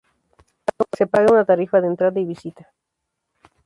Se paga una tarifa de entrada y visita.